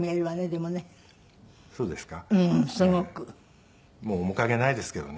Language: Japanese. もう面影ないですけどね。